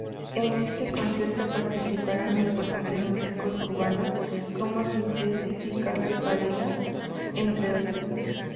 En este concierto participaron importantes músicos cubanos, como Síntesis y Carlos Varela entre otros.